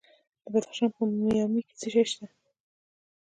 د بدخشان په مایمي کې څه شی شته؟